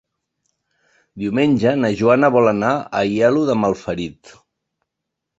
Diumenge na Joana vol anar a Aielo de Malferit.